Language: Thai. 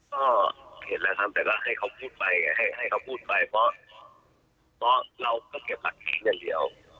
ก็เห็นแล้วครับแต่ก็ให้เขาพูดไปให้ให้เขาพูดไปเพราะเพราะเราก็เก็บอันนี้อย่างเดียว